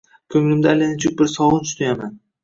Ko‘nglimda allanechuk bir sog‘inch tuyaman